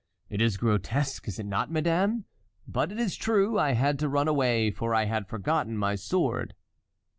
It is grotesque, is it not, madame? but it is true—I had to run away, for I had forgotten my sword."